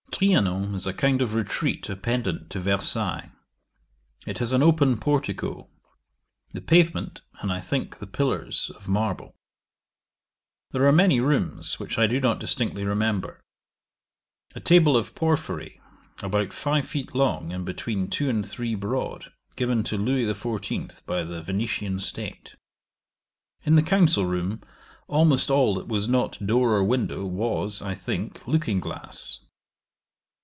'Trianon is a kind of retreat appendant to Versailles. It has an open portico; the pavement, and, I think, the pillars, of marble. There are many rooms, which I do not distinctly remember A table of porphyry, about five feet long, and between two and three broad, given to Louis XIV. by the Venetian State. In the council room almost all that was not door or window, was, I think, looking glass.